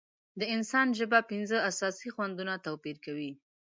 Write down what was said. د انسان ژبه پنځه اساسي خوندونه توپیر کوي.